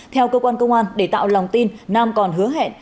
theo cơ quan công an để tạo lòng tin nam còn hứa hẹn